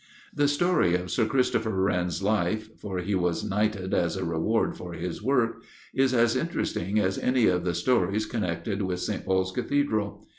The story of Sir Christopher Wren's life for he was knighted as a reward for his work is as interesting as any of the stories connected with St. Paul's Cathedral.